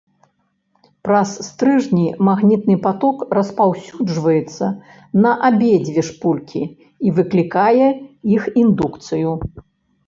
Праз стрыжні магнітны паток распаўсюджваецца на абедзве шпулькі і выклікае іх індукцыю.